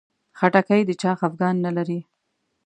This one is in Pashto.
خټکی د چا خفګان نه لري.